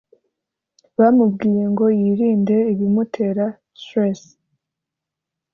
bamubwiye ngo yirinde ibimutera stress